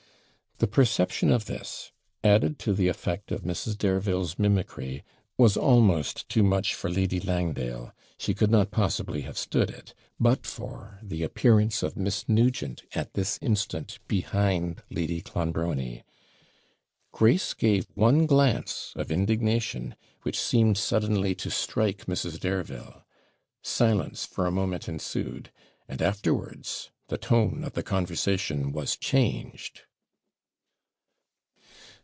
The perception of this, added to the effect of Mrs. Dareville's mimicry, was almost too much for Lady Langdale; she could not possibly have stood it, but for the appearance of Miss Nugent at this instant behind Lady Clonbrony. Grace gave one glance of indignation which seemed suddenly to strike Mrs. Dareville. Silence for a moment ensued, and afterwards the tone of the conversation was changed.